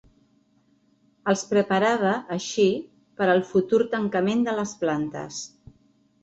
Els preparava, així, per al futur tancament de les plantes.